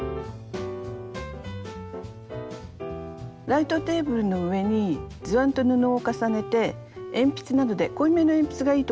ライトテーブルの上に図案と布を重ねて鉛筆などで濃いめの鉛筆がいいと思います。